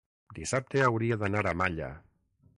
dissabte hauria d'anar a Malla.